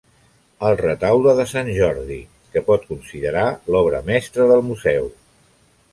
El Retaule de Sant Jordi, que pot considerar l'obra mestra del museu.